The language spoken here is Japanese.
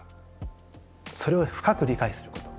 それを深く理解すること。